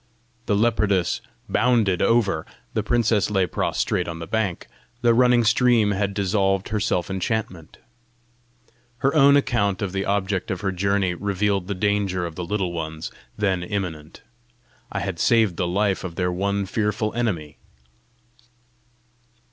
The leopardess BOUNDED over; the princess lay prostrate on the bank: the running stream had dissolved her self enchantment! Her own account of the object of her journey revealed the danger of the Little Ones then imminent: I had saved the life of their one fearful enemy!